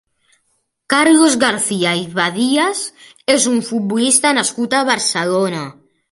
Carlos García i Badías és un futbolista nascut a Barcelona.